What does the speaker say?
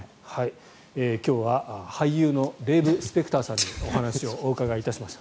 今日は俳優のデーブ・スペクターさんにお話をお伺いいたしました。